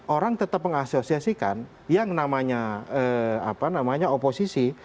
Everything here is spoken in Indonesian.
orang tetap mengasosiasikan yang namanya oposisi